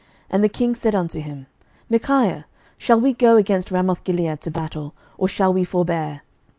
And the king said unto him, Micaiah, shall we go against Ramothgilead to battle, or shall we forbear?